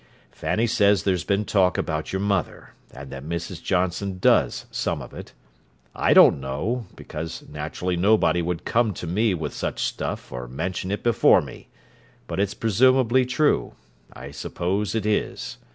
Fanny says there's been talk about your mother, and that Mrs. Johnson does some of it. I don't know, because naturally nobody would come to me with such stuff or mention it before me; but it's presumably true—I suppose it is.